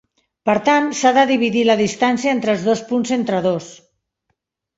Per tant, s'ha de dividir la distància entre els dos punts entre dos.